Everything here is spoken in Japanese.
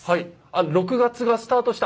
あっ６月がスタートした。